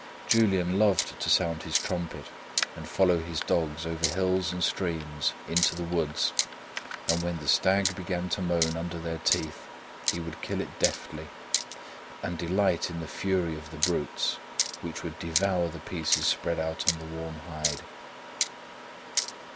Julian loved to sound his trumpet and follow his dogs over hills and streams, into the woods; and when the stag began to moan under their teeth, he would kill it deftly, and delight in the fury of the brutes, which would devour the pieces spread out on the warm hide.